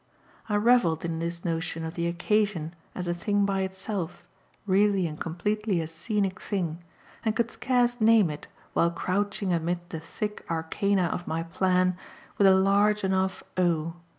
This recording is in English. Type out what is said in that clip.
I revelled in this notion of the Occasion as a thing by itself, really and completely a scenic thing, and could scarce name it, while crouching amid the thick arcana of my plan, with a large enough O.